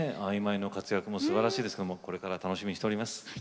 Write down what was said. ＩＭＹの活躍もすばらしいですけどもこれから楽しみにしております。